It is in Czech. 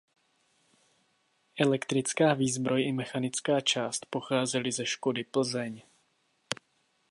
Elektrická výzbroj i mechanická část pocházely ze Škody Plzeň.